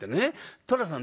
寅さん